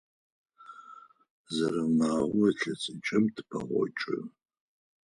Зэрэунагъоу илъэсыкӏэм тыпэгъокӏы.